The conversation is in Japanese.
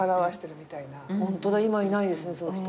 ホントだ今いないですねそういう人。